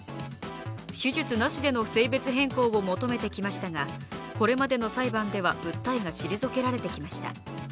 手術なしでの性別変更を求めてきましたが、これまでの裁判では訴えが退けられてきました